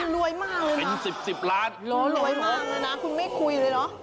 โรยมากเลยนะคุณไม่คุยเลยเนอะโรยมากเลยนะคุณไม่คุยเลยเนอะ